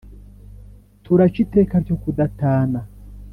turaca iteka ryo kudatana